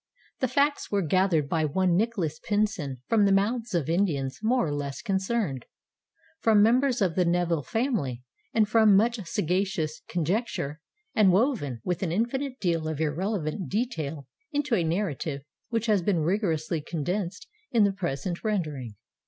The facts were gathered by one Nicholas Pinson from the mouths of Indians more or less concerned, from members of the Neville family, and from much sagacious conjecture; and woven, with an infinite deal of irrelevant detail, into a narrative which has been rigorously condensed in the present rendering.